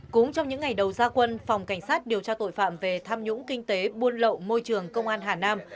cũng trong những ngày đầu gia quân phòng cảnh sát điều tra tội phạm về tham nhũng kinh tế buôn lậu môi trường công an hà nam